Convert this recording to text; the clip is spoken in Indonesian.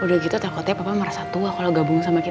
udah gitu takutnya papa merasa tua kalau gabung sama kita